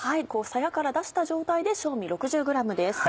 さやから出した状態で正味６０ｇです。